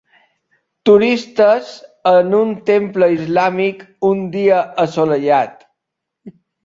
Turistes en un temple islàmic un dia assolellat.